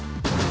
ya udah dut